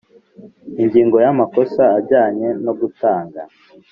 Ingingo ya amakosa ajyanye no gutanga